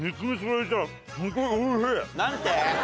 何て？